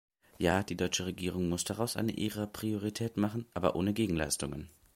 Ja, die deutsche Regierung muss daraus eine ihrer Prioritäten machen, aber ohne Gegenleistungen.